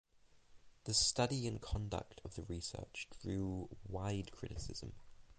The study and conduct of the research drew wide criticism.